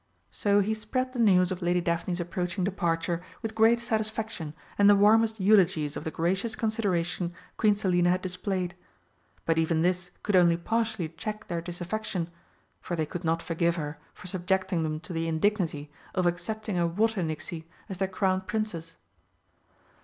So he spread the news of Lady Daphne's approaching departure with great satisfaction and the warmest eulogies of the gracious consideration Queen Selina had displayed. But even this could only partially check their disaffection, for they could not forgive her for subjecting them to the indignity of accepting a Water nixie as their Crown Princess.